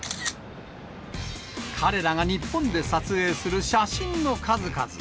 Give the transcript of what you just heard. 彼らが日本で撮影する写真の数々。